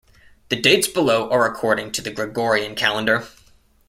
The dates below are according to the Gregorian calendar.